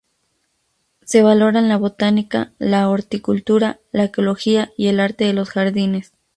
Se valoran la botánica, la horticultura, la ecología y el arte de los jardines.